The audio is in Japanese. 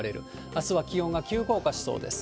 あすは気温が急降下しそうです。